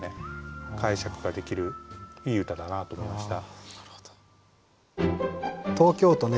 解釈ができるいい歌だなと思いました。